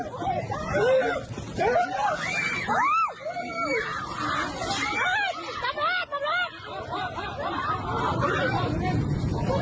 จากท่านลบล้มหัวตือกันหรือหัวพี่